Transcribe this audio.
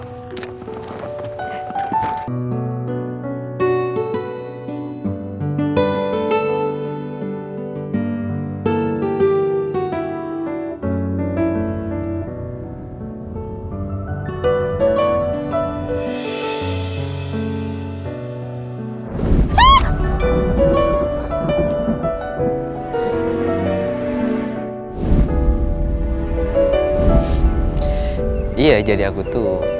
makasih banget